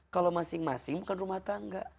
kalau masing masing bukan rumah tangga